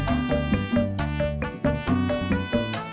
aduh pake gerogi lagi